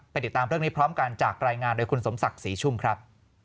ติดตามเรื่องนี้พร้อมกันจากรายงานโดยคุณสมศักดิ์ศรีชุ่มครับ